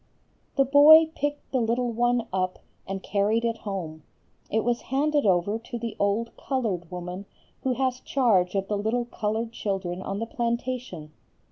"The boy picked the little one up and carried it home. It was handed over to the old colored woman who has charge of the little colored children on the plantation.